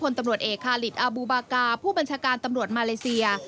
ตำรวจเอกคาลิตอาบูบากาผู้บัญชาการตำรวจมาเลเซีย